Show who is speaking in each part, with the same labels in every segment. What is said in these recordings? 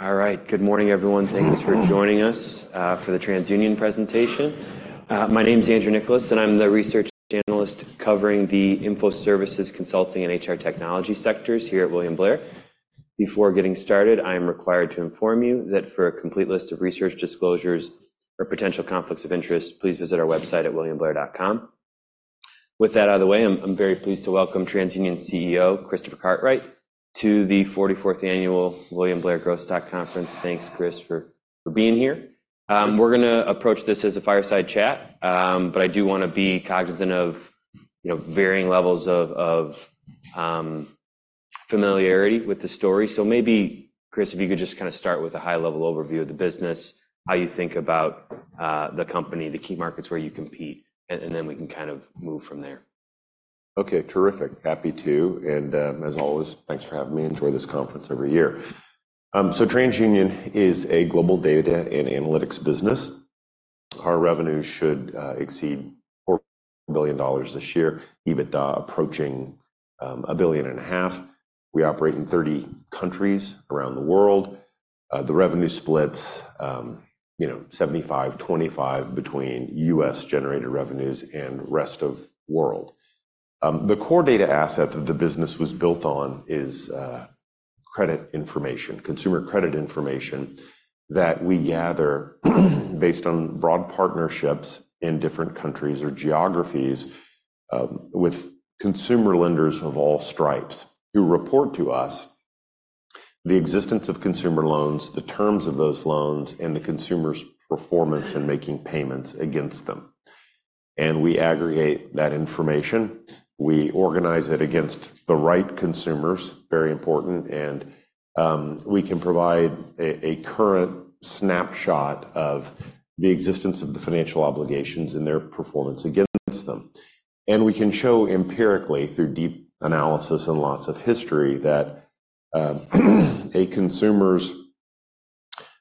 Speaker 1: All right. Good morning, everyone. Thank you for joining us for the TransUnion presentation. My name's Andrew Nicholas, and I'm the research analyst covering the info services, consulting, and HR technology sectors here at William Blair. Before getting started, I am required to inform you that for a complete list of research disclosures or potential conflicts of interest, please visit our website at williamblair.com. With that out of the way, I'm very pleased to welcome TransUnion CEO, Christopher Cartwright, to the 44th annual William Blair Growth Stock Conference. Thanks, Chris, for being here. We're going to approach this as a fireside chat, but I do want to be cognizant of varying levels of familiarity with the story. So maybe, Chris, if you could just kind of start with a high-level overview of the business, how you think about the company, the key markets where you compete, and then we can kind of move from there.
Speaker 2: Okay. Terrific. Happy to. And as always, thanks for having me. Enjoy this conference every year. So TransUnion is a global data and analytics business. Our revenue should exceed $4 billion this year, EBITDA approaching $1.5 billion. We operate in 30 countries around the world. The revenue splits 75/25 between U.S.-generated revenues and rest of the world. The core data asset that the business was built on is credit information, consumer credit information that we gather based on broad partnerships in different countries or geographies with consumer lenders of all stripes who report to us the existence of consumer loans, the terms of those loans, and the consumer's performance in making payments against them. And we aggregate that information. We organize it against the right consumers, very important, and we can provide a current snapshot of the existence of the financial obligations and their performance against them. We can show empirically, through deep analysis and lots of history, that a consumer's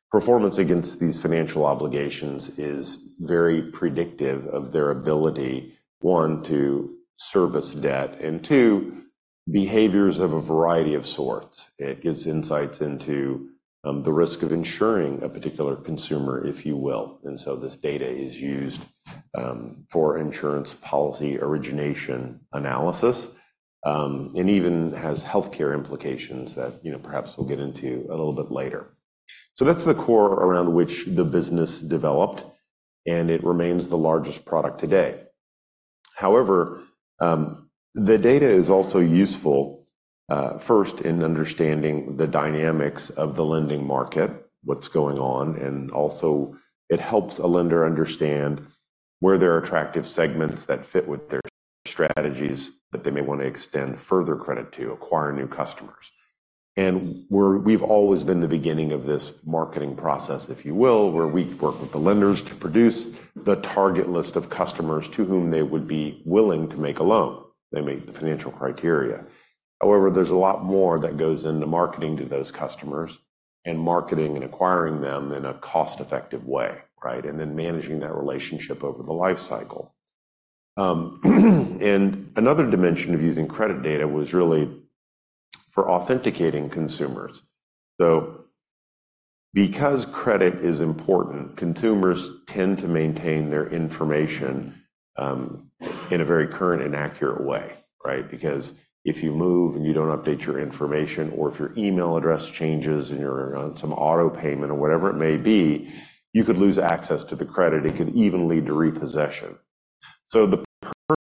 Speaker 2: performance against these financial obligations is very predictive of their ability, one, to service debt and, two, behaviors of a variety of sorts. It gives insights into the risk of insuring a particular consumer, if you will. And so this data is used for insurance policy origination analysis and even has healthcare implications that perhaps we'll get into a little bit later. So that's the core around which the business developed, and it remains the largest product today. However, the data is also useful, first, in understanding the dynamics of the lending market, what's going on, and also it helps a lender understand where there are attractive segments that fit with their strategies that they may want to extend further credit to, acquire new customers. We've always been the beginning of this marketing process, if you will, where we work with the lenders to produce the target list of customers to whom they would be willing to make a loan. They make the financial criteria. However, there's a lot more that goes into marketing to those customers and marketing and acquiring them in a cost-effective way, right, and then managing that relationship over the lifecycle. Another dimension of using credit data was really for authenticating consumers. So because credit is important, consumers tend to maintain their information in a very current and accurate way, right? Because if you move and you don't update your information, or if your email address changes and you're on some autopayment or whatever it may be, you could lose access to the credit. It could even lead to repossession. So the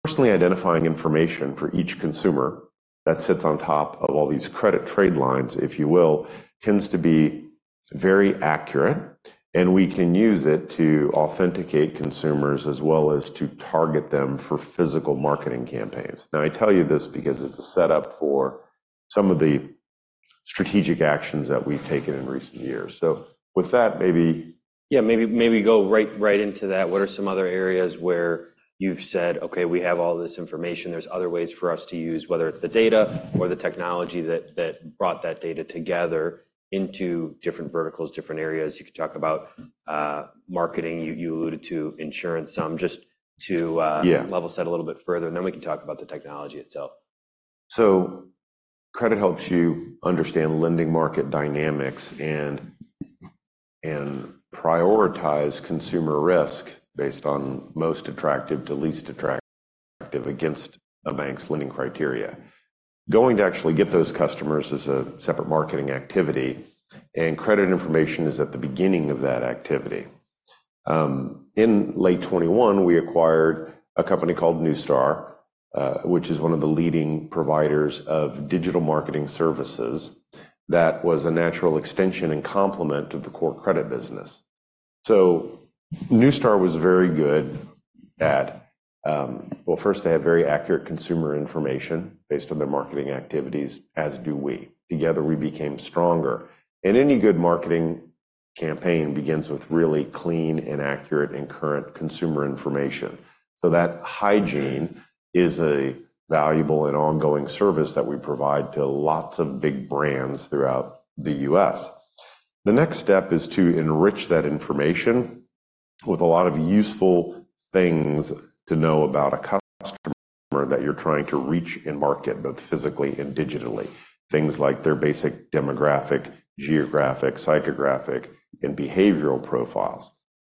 Speaker 2: personally identifying information for each consumer that sits on top of all these credit trade lines, if you will, tends to be very accurate, and we can use it to authenticate consumers as well as to target them for physical marketing campaigns. Now, I tell you this because it's a setup for some of the strategic actions that we've taken in recent years. So with that, maybe.
Speaker 1: Yeah, maybe go right into that. What are some other areas where you've said, "Okay, we have all this information. There's other ways for us to use, whether it's the data or the technology that brought that data together into different verticals, different areas?" You could talk about marketing. You alluded to insurance. Just to level set a little bit further, and then we can talk about the technology itself.
Speaker 2: Credit helps you understand lending market dynamics and prioritize consumer risk based on most attractive to least attractive against a bank's lending criteria. Going to actually get those customers is a separate marketing activity, and credit information is at the beginning of that activity. In late 2021, we acquired a company called Neustar, which is one of the leading providers of digital marketing services that was a natural extension and complement of the core credit business. Neustar was very good at, well, first, they have very accurate consumer information based on their marketing activities, as do we. Together, we became stronger. Any good marketing campaign begins with really clean and accurate and current consumer information. That hygiene is a valuable and ongoing service that we provide to lots of big brands throughout the U.S.. The next step is to enrich that information with a lot of useful things to know about a customer that you're trying to reach and market both physically and digitally, things like their basic demographic, geographic, psychographic, and behavioral profiles.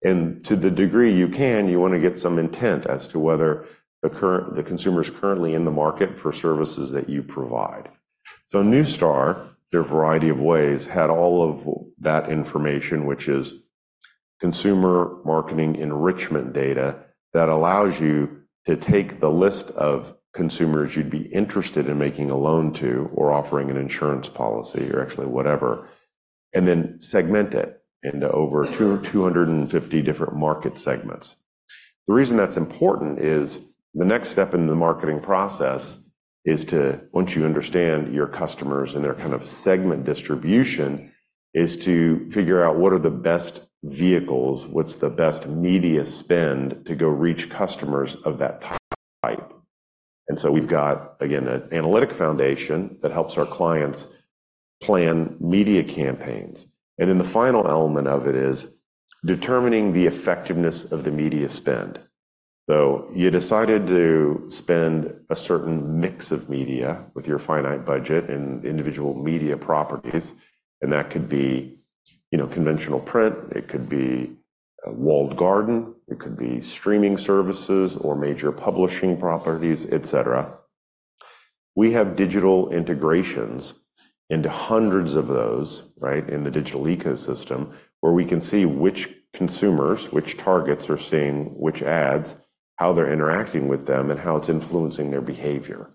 Speaker 2: And to the degree you can, you want to get some intent as to whether the consumer is currently in the market for services that you provide. So Neustar, their variety of ways, had all of that information, which is consumer marketing enrichment data that allows you to take the list of consumers you'd be interested in making a loan to or offering an insurance policy or actually whatever, and then segment it into over 250 different market segments. The reason that's important is the next step in the marketing process is to, once you understand your customers and their kind of segment distribution, figure out what are the best vehicles, what's the best media spend to go reach customers of that type. And so we've got, again, an analytic foundation that helps our clients plan media campaigns. And then the final element of it is determining the effectiveness of the media spend. So you decided to spend a certain mix of media with your finite budget and individual media properties, and that could be conventional print, it could be walled garden, it could be streaming services or major publishing properties, etc. We have digital integrations into hundreds of those, right, in the digital ecosystem where we can see which consumers, which targets are seeing which ads, how they're interacting with them, and how it's influencing their behavior.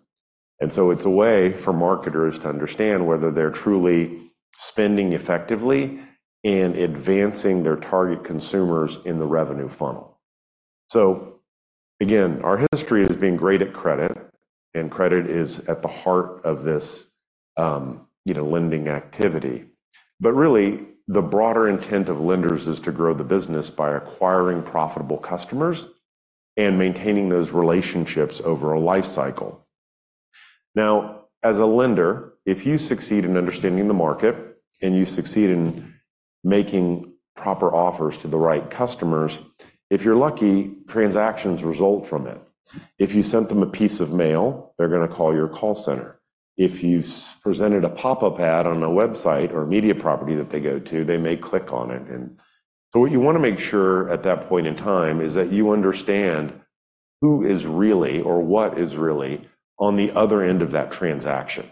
Speaker 2: And so it's a way for marketers to understand whether they're truly spending effectively and advancing their target consumers in the revenue funnel. So again, our history has been great at credit, and credit is at the heart of this lending activity. But really, the broader intent of lenders is to grow the business by acquiring profitable customers and maintaining those relationships over a lifecycle. Now, as a lender, if you succeed in understanding the market and you succeed in making proper offers to the right customers, if you're lucky, transactions result from it. If you sent them a piece of mail, they're going to call your call center. If you presented a pop-up ad on a website or media property that they go to, they may click on it. And so what you want to make sure at that point in time is that you understand who is really or what is really on the other end of that transaction.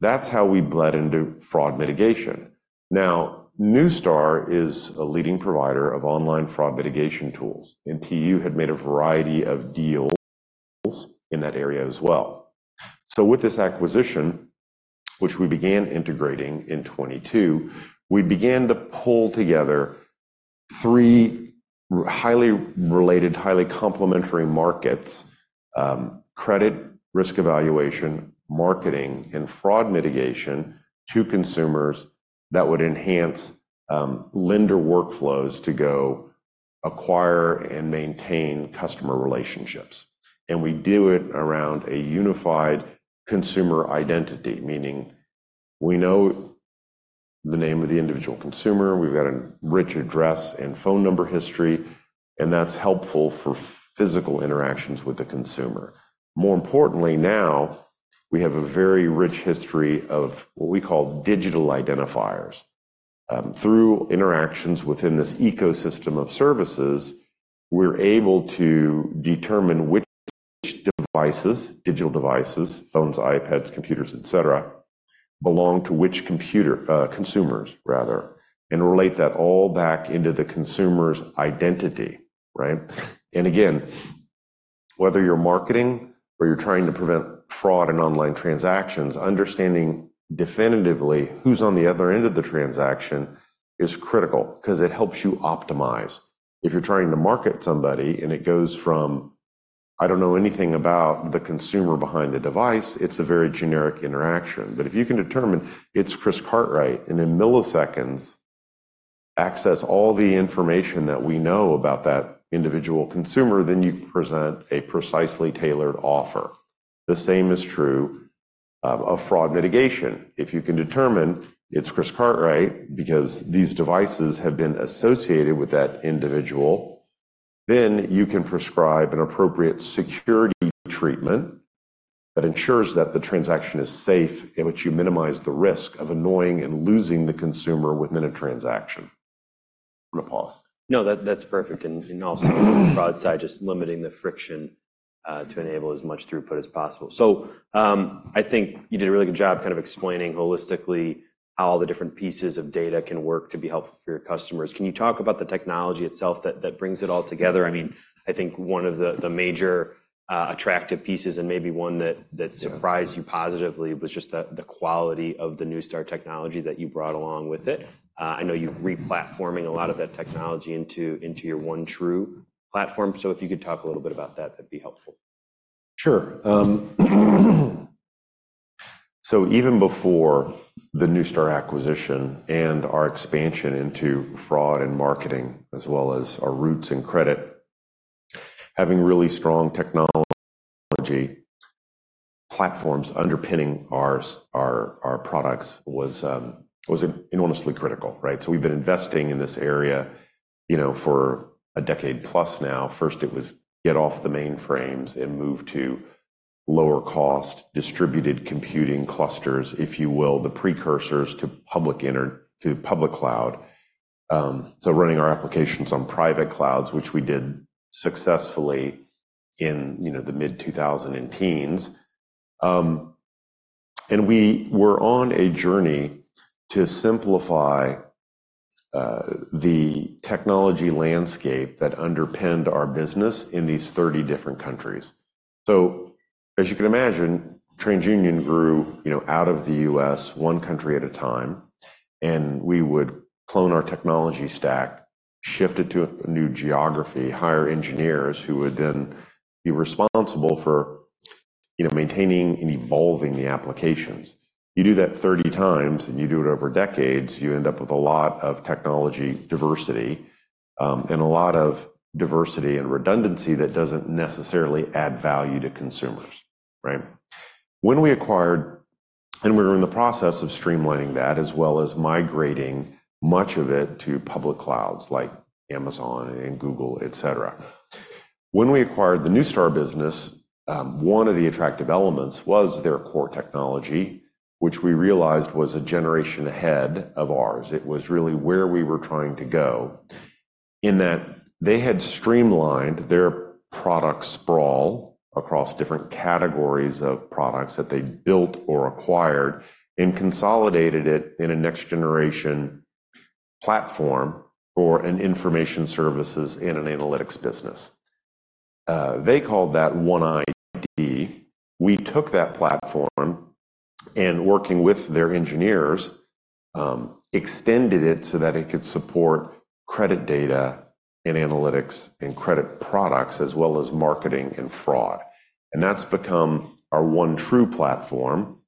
Speaker 2: That's how we bled into fraud mitigation. Now, Neustar is a leading provider of online fraud mitigation tools, and TU had made a variety of deals in that area as well. So with this acquisition, which we began integrating in 2022, we began to pull together three highly related, highly complementary markets: credit, risk evaluation, marketing, and fraud mitigation to consumers that would enhance lender workflows to go acquire and maintain customer relationships. We do it around a unified consumer identity, meaning we know the name of the individual consumer, we've got a rich address and phone number history, and that's helpful for physical interactions with the consumer. More importantly, now we have a very rich history of what we call digital identifiers. Through interactions within this ecosystem of services, we're able to determine which devices, digital devices, phones, iPads, computers, etc., belong to which consumers, rather, and relate that all back into the consumer's identity, right? And again, whether you're marketing or you're trying to prevent fraud and online transactions, understanding definitively who's on the other end of the transaction is critical because it helps you optimize. If you're trying to market somebody and it goes from, "I don't know anything about the consumer behind the device," it's a very generic interaction. But if you can determine it's Chris Cartwright and in milliseconds, access all the information that we know about that individual consumer, then you present a precisely tailored offer. The same is true of fraud mitigation. If you can determine it's Chris Cartwright because these devices have been associated with that individual, then you can prescribe an appropriate security treatment that ensures that the transaction is safe in which you minimize the risk of annoying and losing the consumer within a transaction. I'm going to pause.
Speaker 1: No, that's perfect. And also on the fraud side, just limiting the friction to enable as much throughput as possible. So I think you did a really good job kind of explaining holistically how all the different pieces of data can work to be helpful for your customers. Can you talk about the technology itself that brings it all together? I mean, I think one of the major attractive pieces and maybe one that surprised you positively was just the quality of the Neustar technology that you brought along with it. I know you're replatforming a lot of that technology into your OneTru platform. So if you could talk a little bit about that, that'd be helpful.
Speaker 2: Sure. So even before the Neustar acquisition and our expansion into fraud and marketing, as well as our roots in credit, having really strong technology platforms underpinning our products was enormously critical, right? So we've been investing in this area for a decade plus now. First, it was get off the mainframes and move to lower-cost distributed computing clusters, if you will, the precursors to public cloud. So running our applications on private clouds, which we did successfully in the mid-2000s and teens. We were on a journey to simplify the technology landscape that underpinned our business in these 30 different countries. So as you can imagine, TransUnion grew out of the U.S., one country at a time, and we would clone our technology stack, shift it to a new geography, hire engineers who would then be responsible for maintaining and evolving the applications. You do that 30 times and you do it over decades, you end up with a lot of technology diversity and a lot of diversity and redundancy that doesn't necessarily add value to consumers, right? When we acquired and we were in the process of streamlining that as well as migrating much of it to public clouds like Amazon and Google, etc. When we acquired the Neustar business, one of the attractive elements was their core technology, which we realized was a generation ahead of ours. It was really where we were trying to go in that they had streamlined their product sprawl across different categories of products that they built or acquired and consolidated it in a next-generation platform for an information services and an analytics business. They called that OneID. We took that platform and, working with their engineers, extended it so that it could support credit data and analytics and credit products as well as marketing and fraud. And that's become our OneTru platform,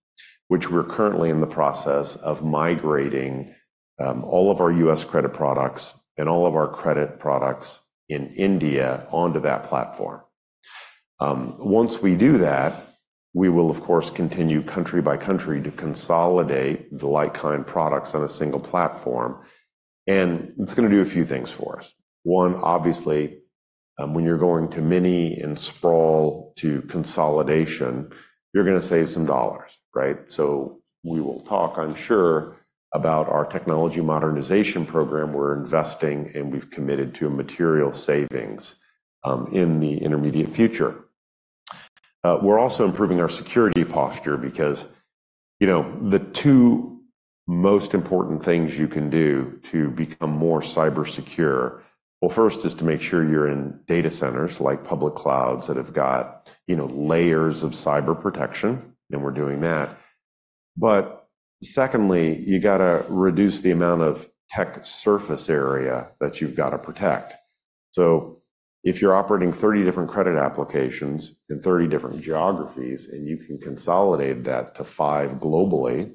Speaker 2: which we're currently in the process of migrating all of our U.S. credit products and all of our credit products in India onto that platform. Once we do that, we will, of course, continue country by country to consolidate the like-kind products on a single platform. And it's going to do a few things for us. One, obviously, when you're going to mini and sprawl to consolidation, you're going to save some dollars, right? So we will talk, I'm sure, about our technology modernization program we're investing in and we've committed to material savings in the intermediate future. We're also improving our security posture because the two most important things you can do to become more cybersecure, well, first is to make sure you're in data centers like public clouds that have got layers of cyber protection, and we're doing that. But secondly, you got to reduce the amount of tech surface area that you've got to protect. So if you're operating 30 different credit applications in 30 different geographies and you can consolidate that to five globally,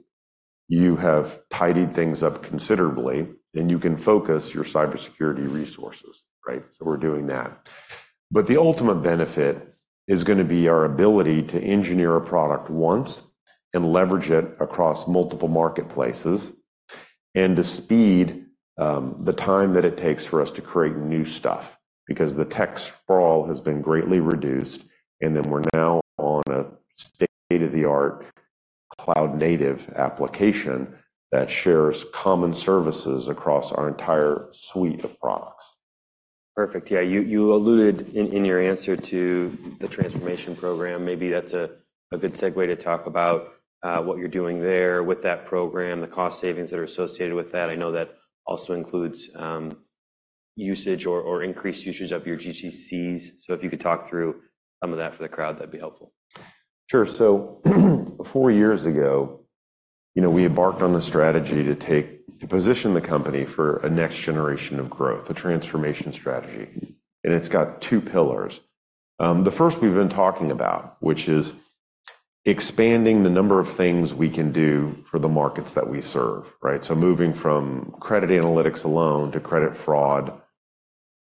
Speaker 2: you have tidied things up considerably and you can focus your cybersecurity resources, right? So we're doing that. But the ultimate benefit is going to be our ability to engineer a product once and leverage it across multiple marketplaces and to speed the time that it takes for us to create new stuff because the tech sprawl has been greatly reduced, and then we're now on a state-of-the-art cloud-native application that shares common services across our entire suite of products.
Speaker 1: Perfect. Yeah. You alluded in your answer to the transformation program. Maybe that's a good segue to talk about what you're doing there with that program, the cost savings that are associated with that. I know that also includes usage or increased usage of your GCCs. So if you could talk through some of that for the crowd, that'd be helpful.
Speaker 2: Sure. So four years ago, we embarked on the strategy to position the company for a next generation of growth, a transformation strategy. It's got two pillars. The first we've been talking about, which is expanding the number of things we can do for the markets that we serve, right? So moving from credit analytics alone to credit fraud,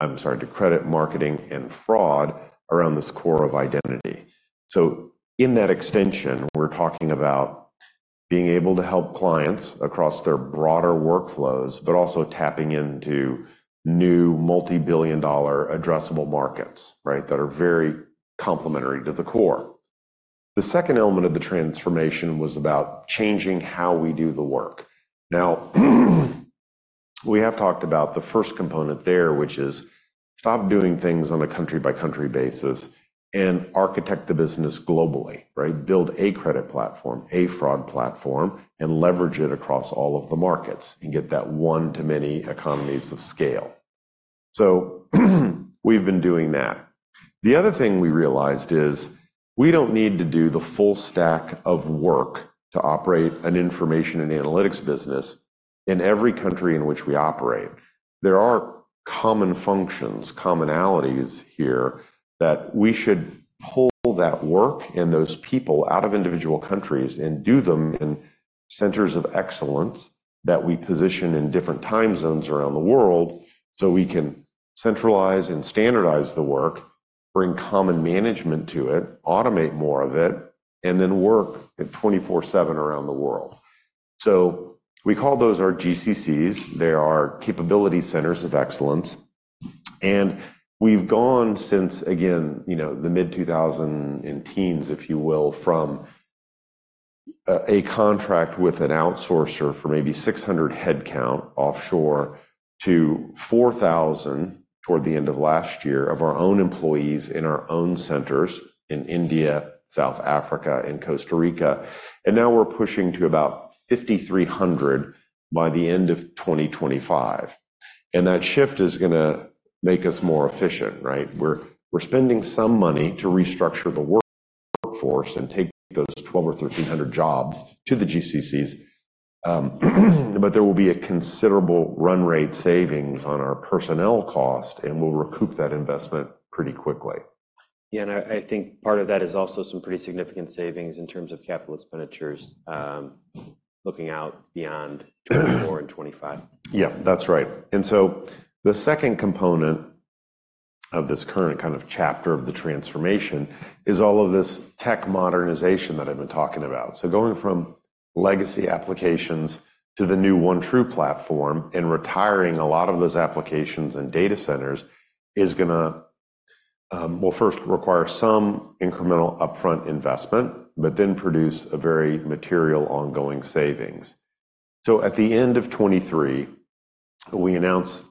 Speaker 2: I'm sorry, to credit marketing and fraud around this core of identity. So in that extension, we're talking about being able to help clients across their broader workflows, but also tapping into new multi-billion dollar addressable markets, right, that are very complementary to the core. The second element of the transformation was about changing how we do the work. Now, we have talked about the first component there, which is stop doing things on a country-by-country basis and architect the business globally, right? Build a credit platform, a fraud platform, and leverage it across all of the markets and get that one-to-many economies of scale. So we've been doing that. The other thing we realized is we don't need to do the full stack of work to operate an information and analytics business in every country in which we operate. There are common functions, commonalities here that we should pull that work and those people out of individual countries and do them in centers of excellence that we position in different time zones around the world so we can centralize and standardize the work, bring common management to it, automate more of it, and then work 24/7 around the world. So we call those our GCCs. They are capability centers of excellence. We've gone since, again, the mid-2000s and teens, if you will, from a contract with an outsourcer for maybe 600 headcount offshore to 4,000 toward the end of last year of our own employees in our own centers in India, South Africa, and Costa Rica. Now we're pushing to about 5,300 by the end of 2025. That shift is going to make us more efficient, right? We're spending some money to restructure the workforce and take those 1,200 or 1,300 jobs to the GCCs, but there will be a considerable run rate savings on our personnel cost, and we'll recoup that investment pretty quickly.
Speaker 1: Yeah. I think part of that is also some pretty significant savings in terms of capital expenditures looking out beyond 2024 and 2025.
Speaker 2: Yeah. That's right. And so the second component of this current kind of chapter of the transformation is all of this tech modernization that I've been talking about. So going from legacy applications to the new OneTru platform and retiring a lot of those applications and data centers is going to, well, first require some incremental upfront investment, but then produce a very material ongoing savings. So at the end of 2023, we announced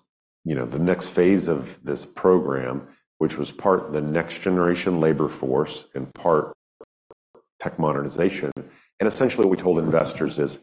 Speaker 2: the next phase of this program, which was part the next generation labor force and part tech modernization. And essentially what we told investors is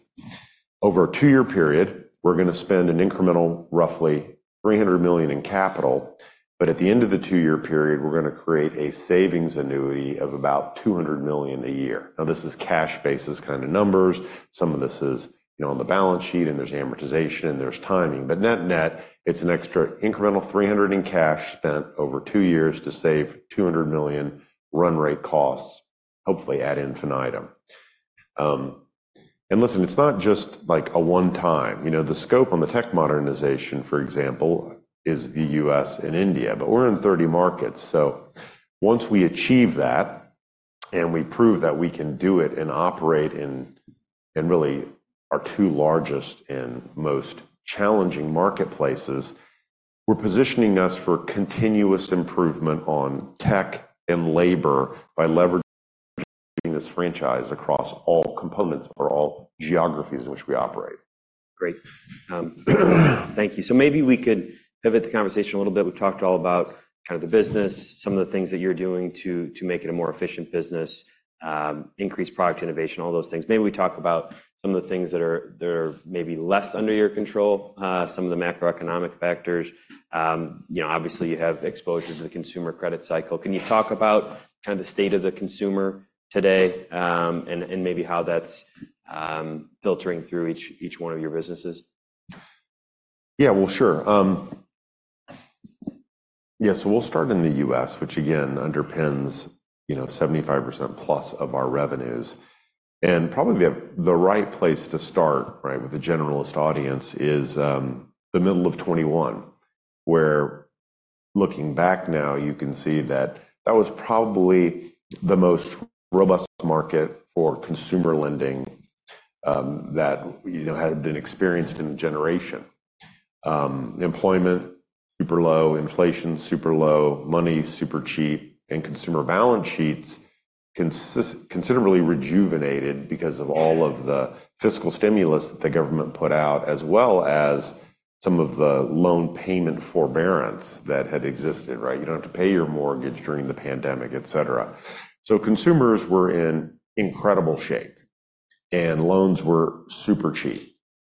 Speaker 2: over a two-year period, we're going to spend an incremental roughly $300 million in capital, but at the end of the two-year period, we're going to create a savings annuity of about $200 million a year. Now, this is cash-basis kind of numbers. Some of this is on the balance sheet and there's amortization and there's timing. But net-net, it's an extra incremental $300 million in cash spent over two years to save $200 million run rate costs, hopefully ad infinitum. And listen, it's not just like a one-time. The scope on the tech modernization, for example, is the U.S. and India, but we're in 30 markets. So once we achieve that and we prove that we can do it and operate in really our two largest and most challenging marketplaces, we're positioning us for continuous improvement on tech and labor by leveraging this franchise across all components or all geographies in which we operate.
Speaker 1: Great. Thank you. So maybe we could pivot the conversation a little bit. We've talked all about kind of the business, some of the things that you're doing to make it a more efficient business, increase product innovation, all those things. Maybe we talk about some of the things that are maybe less under your control, some of the macroeconomic factors. Obviously, you have exposure to the consumer credit cycle. Can you talk about kind of the state of the consumer today and maybe how that's filtering through each one of your businesses?
Speaker 2: Yeah. Well, sure. Yeah. So we'll start in the U.S., which again underpins 75% plus of our revenues. And probably the right place to start, right, with a generalist audience is the middle of 2021, where looking back now, you can see that that was probably the most robust market for consumer lending that had been experienced in a generation. Employment super low, inflation super low, money super cheap, and consumer balance sheets considerably rejuvenated because of all of the fiscal stimulus that the government put out, as well as some of the loan payment forbearance that had existed, right? You don't have to pay your mortgage during the pandemic, etc. So consumers were in incredible shape and loans were super cheap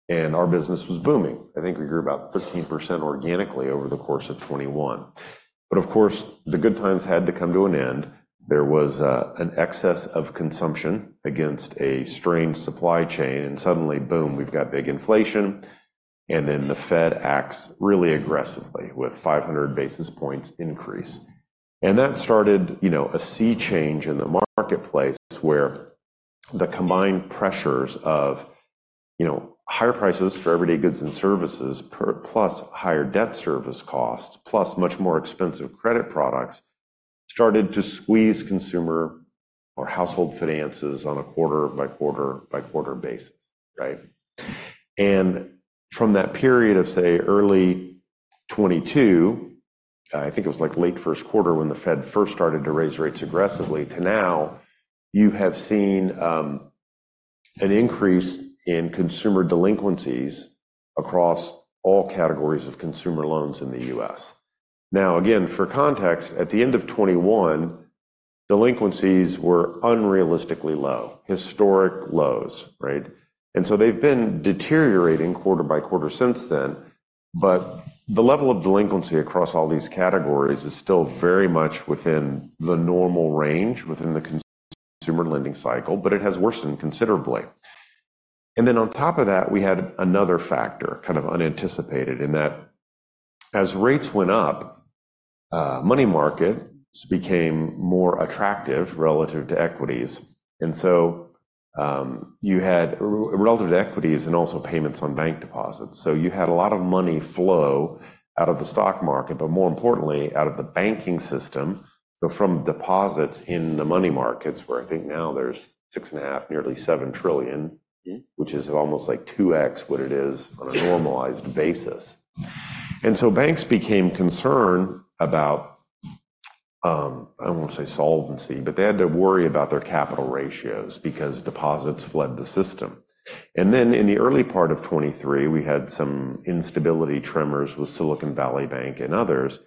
Speaker 2: and our business was booming. I think we grew about 13% organically over the course of 2021. But of course, the good times had to come to an end. There was an excess of consumption against a strained supply chain and suddenly, boom, we've got big inflation. And then the Fed acts really aggressively with 500 basis points increase. And that started a sea change in the marketplace where the combined pressures of higher prices for everyday goods and services, plus higher debt service costs, plus much more expensive credit products started to squeeze consumer or household finances on a quarter-by-quarter-by-quarter basis, right? And from that period of, say, early 2022, I think it was like late first quarter when the Fed first started to raise rates aggressively to now, you have seen an increase in consumer delinquencies across all categories of consumer loans in the U.S. Now, again, for context, at the end of 2021, delinquencies were unrealistically low, historic lows, right? So they've been deteriorating quarter-by-quarter since then, but the level of delinquency across all these categories is still very much within the normal range within the consumer lending cycle, but it has worsened considerably. Then on top of that, we had another factor kind of unanticipated in that as rates went up, money markets became more attractive relative to equities. So you had relative to equities and also payments on bank deposits. So you had a lot of money flow out of the stock market, but more importantly, out of the banking system. So from deposits in the money markets, where I think now there's $6.5 trillion, nearly $7 trillion, which is almost like 2x what it is on a normalized basis. And so banks became concerned about, I don't want to say solvency, but they had to worry about their capital ratios because deposits fled the system. And then in the early part of 2023, we had some instability tremors with Silicon Valley Bank and others.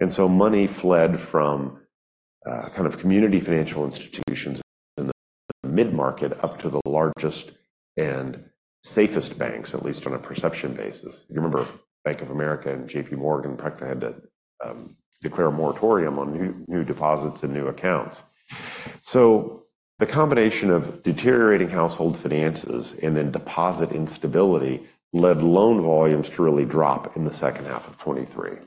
Speaker 2: And so money fled from kind of community financial institutions in the mid-market up to the largest and safest banks, at least on a perception basis. You remember Bank of America and JPMorgan practically had to declare a moratorium on new deposits and new accounts. So the combination of deteriorating household finances and then deposit instability led loan volumes to really drop in the second half of 2023.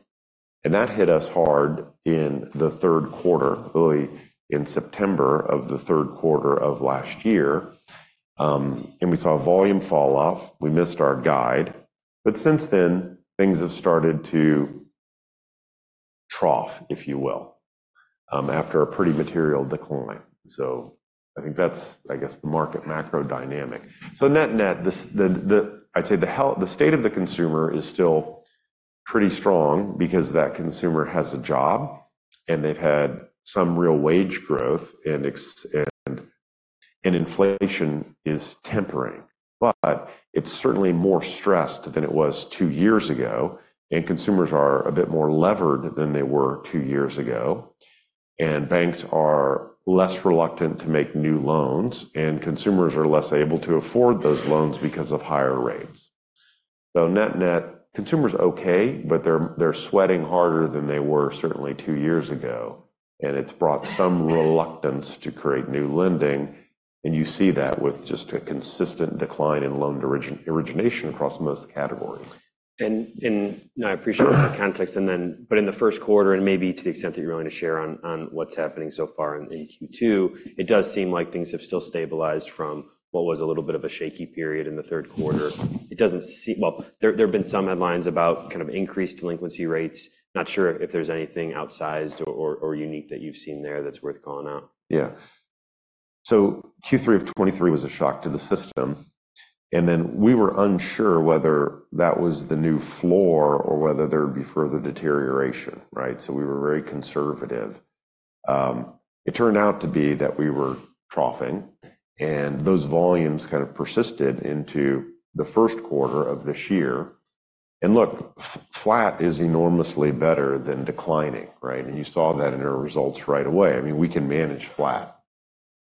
Speaker 2: And that hit us hard in the third quarter, early in September of the third quarter of last year. And we saw a volume fall off. We missed our guide. But since then, things have started to trough, if you will, after a pretty material decline. So I think that's, I guess, the market macro dynamic. So net-net, I'd say the state of the consumer is still pretty strong because that consumer has a job and they've had some real wage growth and inflation is tempering. But it's certainly more stressed than it was two years ago, and consumers are a bit more levered than they were two years ago. And banks are less reluctant to make new loans, and consumers are less able to afford those loans because of higher rates. So net-net, consumers are okay, but they're sweating harder than they were certainly two years ago. And it's brought some reluctance to create new lending. And you see that with just a consistent decline in loan origination across most categories.
Speaker 1: I appreciate the context. But in the first quarter, and maybe to the extent that you're willing to share on what's happening so far in Q2, it does seem like things have still stabilized from what was a little bit of a shaky period in the third quarter. Well, there have been some headlines about kind of increased delinquency rates. Not sure if there's anything outsized or unique that you've seen there that's worth calling out.
Speaker 2: Yeah. So Q3 of 2023 was a shock to the system. And then we were unsure whether that was the new floor or whether there would be further deterioration, right? So we were very conservative. It turned out to be that we were troughing, and those volumes kind of persisted into the first quarter of this year. And look, flat is enormously better than declining, right? And you saw that in our results right away. I mean, we can manage flat,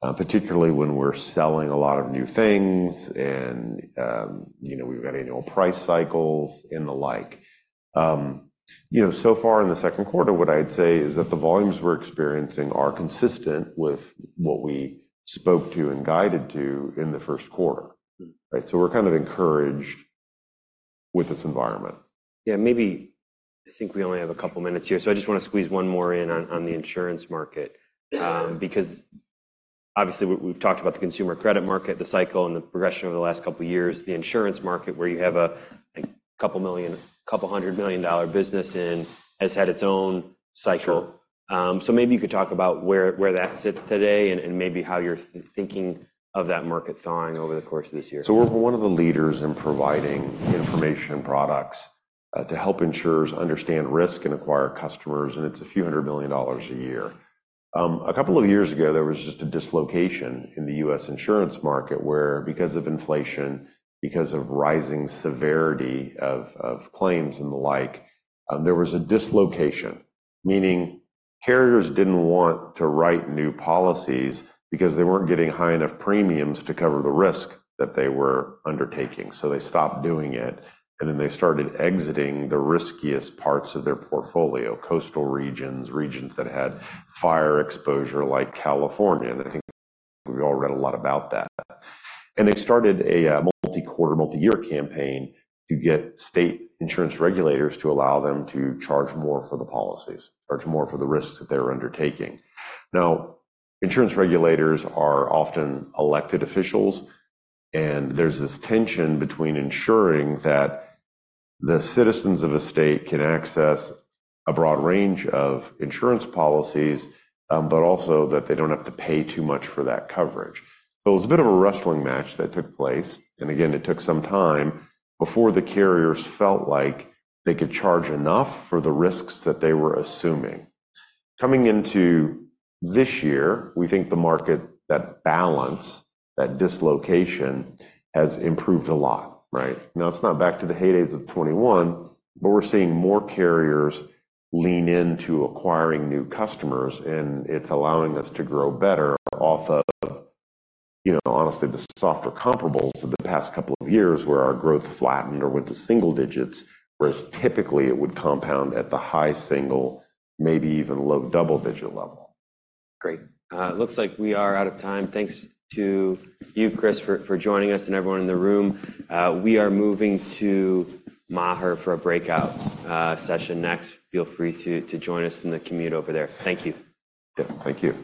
Speaker 2: particularly when we're selling a lot of new things and we've got annual price cycles and the like. So far in the second quarter, what I'd say is that the volumes we're experiencing are consistent with what we spoke to and guided to in the first quarter, right? So we're kind of encouraged with this environment.
Speaker 1: Yeah. Maybe I think we only have a couple of minutes here. So I just want to squeeze one more in on the insurance market because obviously we've talked about the consumer credit market, the cycle, and the progression over the last couple of years. The insurance market, where you have a $100 million business, has had its own cycle. So maybe you could talk about where that sits today and maybe how you're thinking of that market thawing over the course of this year.
Speaker 2: So we're one of the leaders in providing information products to help insurers understand risk and acquire customers. And it's a few $100 million a year. A couple of years ago, there was just a dislocation in the U.S. insurance market where, because of inflation, because of rising severity of claims and the like, there was a dislocation, meaning carriers didn't want to write new policies because they weren't getting high enough premiums to cover the risk that they were undertaking. So they stopped doing it. And then they started exiting the riskiest parts of their portfolio, coastal regions, regions that had fire exposure like California. And I think we've all read a lot about that. And they started a multi-quarter, multi-year campaign to get state insurance regulators to allow them to charge more for the policies, charge more for the risks that they're undertaking. Now, insurance regulators are often elected officials, and there's this tension between ensuring that the citizens of a state can access a broad range of insurance policies, but also that they don't have to pay too much for that coverage. So it was a bit of a wrestling match that took place. And again, it took some time before the carriers felt like they could charge enough for the risks that they were assuming. Coming into this year, we think the market, that balance, that dislocation has improved a lot, right? Now, it's not back to the heydays of 2021, but we're seeing more carriers lean into acquiring new customers, and it's allowing us to grow better off of, honestly, the softer comparables of the past couple of years where our growth flattened or went to single digits, whereas typically it would compound at the high single, maybe even low double-digit level.
Speaker 1: Great. Looks like we are out of time. Thanks to you, Chris, for joining us and everyone in the room. We are moving to Maher for a breakout session next. Feel free to join us in the commute over there. Thank you.
Speaker 2: Yeah. Thank you.